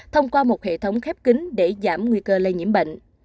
thông qua một hệ thống khép kính để giảm nguy cơ lây nhiễm bệnh